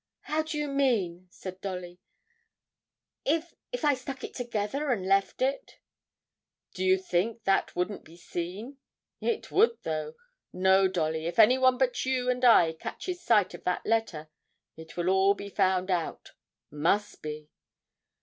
'How do you mean?' said Dolly; 'if if I stuck it together and left it?' 'Do you think that wouldn't be seen? It would, though! No, Dolly, if anyone but you and I catches sight of that letter, it will all be found out must be!'